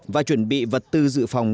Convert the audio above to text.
và chuẩn bị vật tư dự phòng